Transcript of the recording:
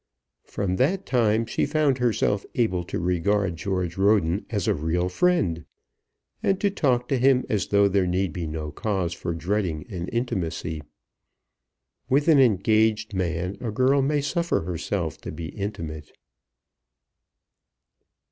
From that time she found herself able to regard George Roden as a real friend, and to talk to him as though there need be no cause for dreading an intimacy. With an engaged man a girl may suffer herself to be intimate.